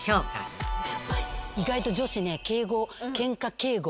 意外と女子ね。